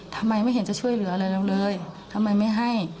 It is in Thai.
ทำไมไม่เห็นจะช่วยเหลืออะไรเราเลยทำไมไม่ให้